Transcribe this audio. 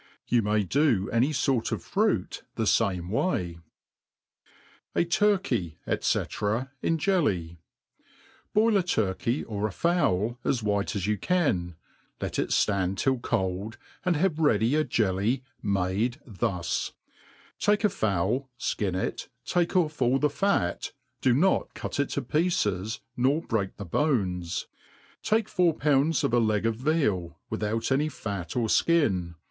You may do any fort of fruit the fame way. J Turhy^ i^c, in Jelly. BOIL a turkey, or a fowl, as white 9S you can, let it ftand till cold, and have ready a jelly made lhu&: take a fowl, fkin it, take off all the fat, do not cut it to pieces, nor break the bones ; take four pounds of a teg of vcal, without any fat or ikin